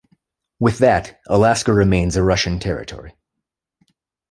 With that, Alaska remains a Russian territory.